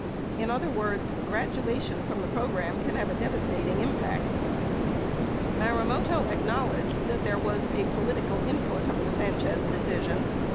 In other words, "graduation" can have a devastating impact. Marumoto acknowledged there was a "political input" on the San chez decision.